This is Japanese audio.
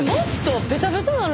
ベタベタなるで？